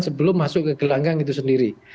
sebelum masuk ke gelanggang itu sendiri